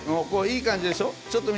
いい感じでしょ